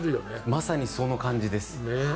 まさにその感じです。